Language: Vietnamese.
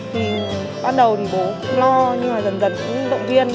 thì bắt đầu thì bố cũng lo nhưng mà dần dần cũng động viên